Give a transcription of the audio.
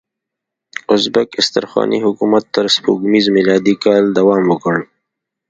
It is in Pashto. ازبک استرخاني حکومت تر سپوږمیز میلادي کاله دوام وکړ.